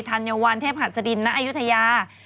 ธัญวัลเทพหัสดินณอายุทยา